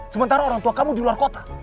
sementara orang tua kamu di luar kota